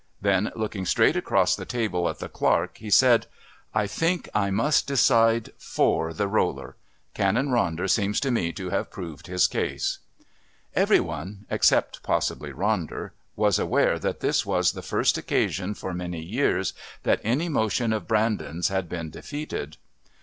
Then, looking straight across the table at the Clerk, he said: "I think I must decide for the roller. Canon Ronder seems to me to have proved his case." Every one, except possibly Ronder, was aware that this was the first occasion for many years that any motion of Brandon's had been defeated....